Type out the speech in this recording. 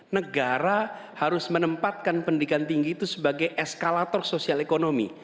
negara harus menempatkan pendidikan tinggi itu sebagai eskalator sosial ekonomi